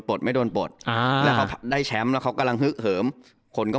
โดนโปรดไม่โดนพอไม่ได้แฉมแล้วเขากำลังเหลือผมค้นก็